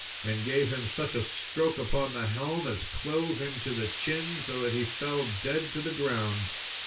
and gave him such a stroke upon the helm as clove him to the chin, so that he fell dead to the ground.